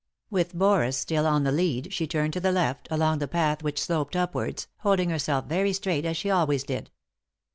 With Boris still on the lead, she turned to the left, along the path which sloped upwards, holding herself very straight, as she always did.